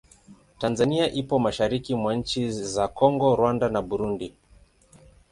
Tanzania ipo mashariki mwa nchi za Kongo, Rwanda na Burundi.